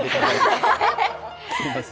すみません。